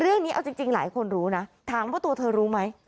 เรื่องนี้เอาจริงหลายคนรู้นะถามว่าตัวเธอรู้ไหม